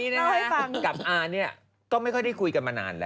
แต่ว่านี้กับอลลัยก็ไม่ค่อยได้คุยกันมานานละ